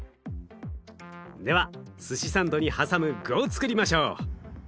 ではすしサンドに挟む具をつくりましょう。